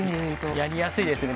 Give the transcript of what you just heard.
やりやすいですね。